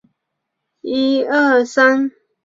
卡伦山。